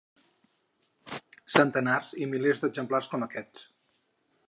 centenars i milers d'exemples com aquests.